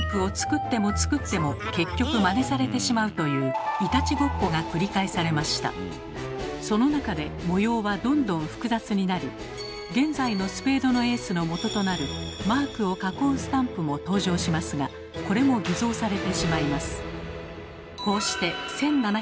ところがその中で模様はどんどん複雑になり現在のスペードのエースのもととなるマークを囲うスタンプも登場しますがこれも偽造されてしまいます。